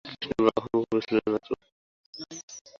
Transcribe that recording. কৃষ্ণ ব্রহ্মজ্ঞ পুরুষ ছিলেন মাত্র।